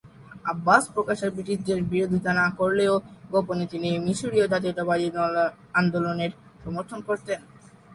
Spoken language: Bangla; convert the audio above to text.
আব্বাস প্রকাশ্যে ব্রিটিশদের বিরোধিতা না করলেও গোপনে তিনি মিশরীয় জাতীয়তাবাদি আন্দোলনের সমর্থন করতেন।